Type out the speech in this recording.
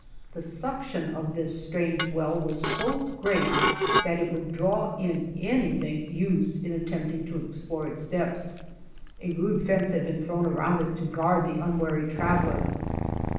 The suction of this strange well was so great that it would draw in anything used in attempting to explore its depths. A rude fence had been thrown around it to guard the unwary traveler.